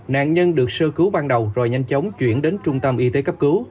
nạn nhân được sơ cứu ban đầu rồi nhanh chóng chuyển đến trung tâm y tế cấp cứu